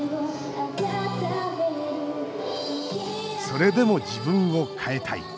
それでも自分を変えたい。